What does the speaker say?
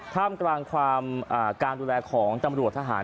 ท่ามกลางความการดูแลของตำรวจทหาร